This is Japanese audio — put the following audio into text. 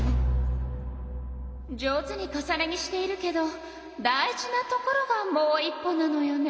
上手に重ね着しているけど大事なところがもう一歩なのよね。